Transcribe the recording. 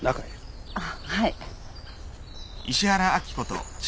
あっはい。